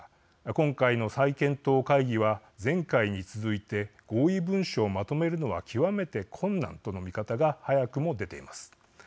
今回の再検討会議は前回に続いて合意文書をまとめるのは極めて困難との見方が早くも出ています。